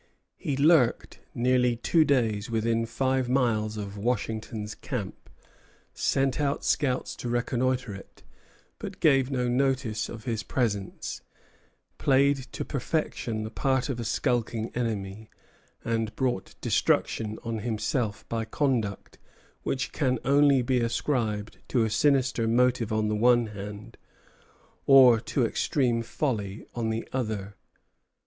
He lurked nearly two days within five miles of Washington's camp, sent out scouts to reconnoitre it, but gave no notice of his presence; played to perfection the part of a skulking enemy, and brought destruction on himself by conduct which can only be ascribed to a sinister motive on the one hand, or to extreme folly on the other.